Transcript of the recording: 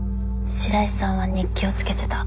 白井さんは日記をつけてた。